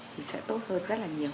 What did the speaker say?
thì sẽ tốt hơn rất là nhiều